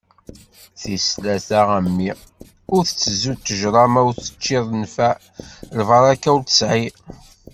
Tis tlata a mmi! Ur tteẓẓu ṭejra ma ur teččiḍ nfeɛ, lbaraka ur t-tesɛi.